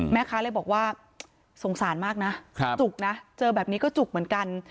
แม่ค้าเลยบอกว่าสงสารมากนะจุกนะเจอแบบนี้ก็จุกเหมือนกัน